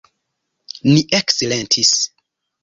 Ni eksilentis.